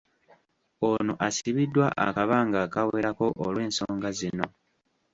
Ono asibiddwa akabanga akawerako olw'ensonga zino.